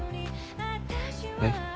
えっ？